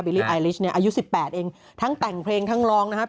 บิลลี่ไอลิชอายุ๑๘เองทั้งแต่งเพลงทั้งร้องนะครับ